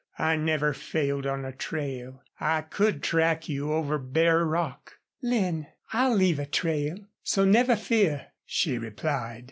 "I never failed on a trail. I could track you over bare rock." "Lin, I'll leave a trail, so never fear," she replied.